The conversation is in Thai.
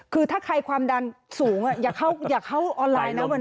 คือถ้าใครความดันสูงอย่าเข้าออนไลน์นะ